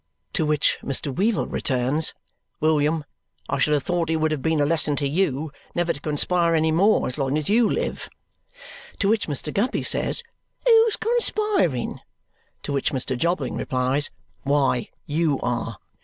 To which Mr. Weevle returns, "William, I should have thought it would have been a lesson to YOU never to conspire any more as long as you lived." To which Mr. Guppy says, "Who's conspiring?" To which Mr. Jobling replies, "Why, YOU are!"